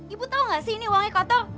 ibu tau gak sih ini uangnya kotor